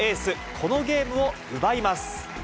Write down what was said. このゲームを奪います。